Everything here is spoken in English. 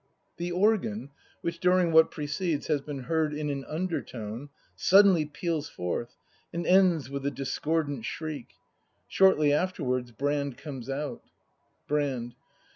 The organ, ichich during what ^precedes has been heard in an undertone, suddenly peals forth, and ends with a discordant shriek. Shortly afterwards Brand comes out. Brand.